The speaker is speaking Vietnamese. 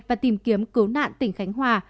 và tìm kiếm cố nạn tỉnh khánh hòa